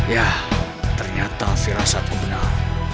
yah ternyata firasatku benar